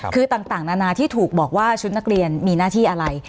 คือต่างนานาที่ถูกบอกว่าชุดนักเรียนมีหน้าที่อะไร